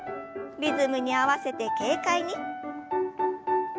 リズムに合わせて軽快に。